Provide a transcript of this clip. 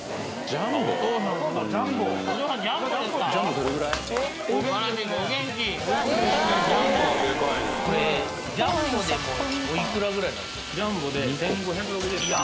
ジャンボでおいくらぐらいなんですか・